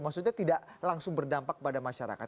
maksudnya tidak langsung berdampak pada masyarakat